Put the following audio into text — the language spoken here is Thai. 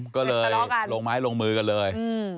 ก็เลยลงไม้ลงมือกันเลย